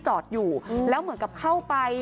จอดอยู่แล้วเหมือนกับเข้าไป